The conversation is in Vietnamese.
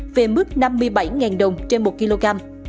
về mức năm mươi bảy đồng trên một kg